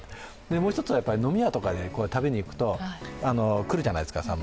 もう一つは、飲み屋とかに飲みにいくと、さんまが来るじゃないですか。